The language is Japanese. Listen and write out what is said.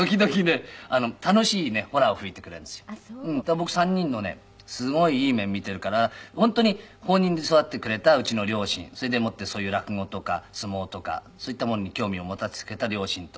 僕３人のねすごいいい面を見ているから本当に放任で育ててくれたうちの両親それでもってそういう落語とか相撲とかそういったものに興味を持たせてくれた両親と。